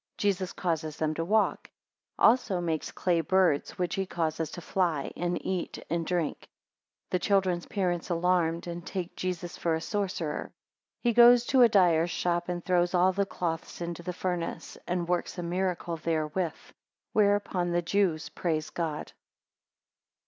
4 Jesus causes them to walk, 6 also makes clay birds, which he causes to fly, and eat and drink. 7 The children's parents alarmed, and take Jesus for a sorcerer. 8 He goes to a dyer's shop, and throws all the cloths into the furnace, and works a miracle therewith. 15 Whereupon the Jews praise God.